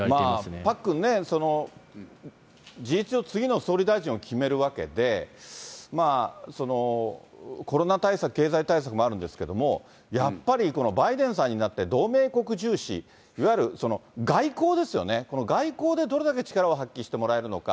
パックンね、事実上、次の総理大臣を決めるわけで、コロナ対策、経済対策もあるんですけど、やっぱりバイデンさんになって同盟国重視、いわゆる外交ですよね、この外交でどれだけ力を発揮してもらえるのか。